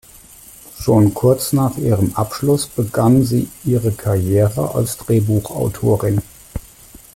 Schon kurz nach ihrem Abschluss begann sie ihre Karriere als Drehbuchautorin.